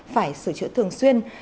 phải sửa chữa thường xuyên